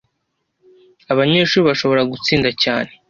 Abanyeshuri bashobora gutsinda cyane